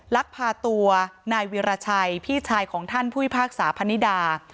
ลักพาตัวนายวิราชัยพี่ชายของท่านผู้พิพากษาพนิดา